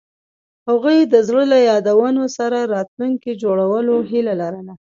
هغوی د زړه له یادونو سره راتلونکی جوړولو هیله لرله.